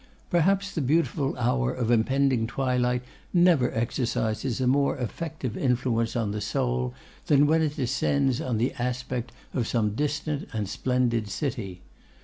Perhaps the beautiful hour of impending twilight never exercises a more effective influence on the soul than when it descends on the aspect of some distant and splendid city.